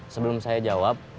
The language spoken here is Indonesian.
sebelum saya jawab